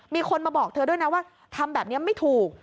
มีคนมาบอกเธอด้วยนะว่าทำแบบนี้ไม่ถูก